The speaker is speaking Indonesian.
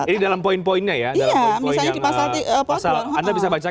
ini dalam poin poinnya ya